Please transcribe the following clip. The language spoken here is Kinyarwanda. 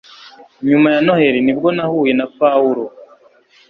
Nyuma ya Noheri ni bwo nahuye na Pawulo